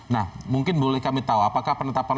nah mungkin boleh kami tahu apakah penetapan